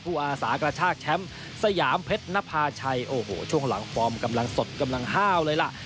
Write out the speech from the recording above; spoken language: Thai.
อาสากระชากแชมป์สยามเพชรนภาชัยโอ้โหช่วงหลังฟอร์มกำลังสดกำลังห้าวเลยล่ะ